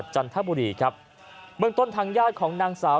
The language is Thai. จันทบุรีครับเบื้องต้นทางญาติของนางสาว